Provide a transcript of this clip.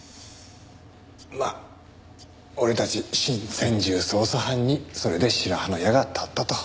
まあ俺たち新専従捜査班にそれで白羽の矢が立ったと。